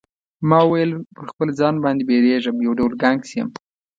ما وویل پر خپل ځان باندی بیریږم یو ډول ګنګس یم.